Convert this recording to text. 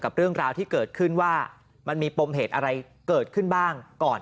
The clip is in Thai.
เรื่องราวที่เกิดขึ้นว่ามันมีปมเหตุอะไรเกิดขึ้นบ้างก่อน